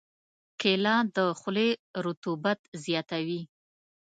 کېله د خولې رطوبت زیاتوي.